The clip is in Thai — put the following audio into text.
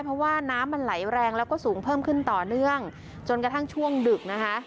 เพราะว่าน้ำมันไหลแรงแล้วก็สูงเพิ่มขึ้นต่อเนื่องจนกระทั่งช่วงดึกนะคะ